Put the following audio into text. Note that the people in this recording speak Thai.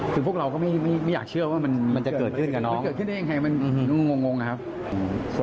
คือพวกเราก็ไม่อยากเชื่อว่ามันเกิดขึ้นได้ยังไงมันงงนะครับ